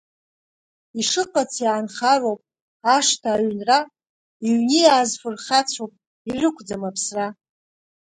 Ишыҟац иаанхароуп, ашҭа, аҩынра, иҩниааз фырхацәоуп, ирықәӡам аԥсра!